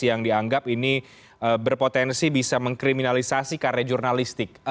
yang dianggap ini berpotensi bisa mengkriminalisasi karya jurnalistik